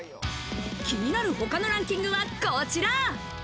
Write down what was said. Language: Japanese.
気になる他のランキングはこちら。